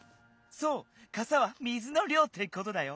そうかさは水のりょうってことだよ。